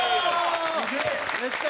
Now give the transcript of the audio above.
すげえ！